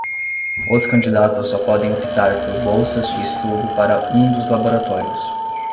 Os candidatos só podem optar por bolsas de estudo para um dos laboratórios.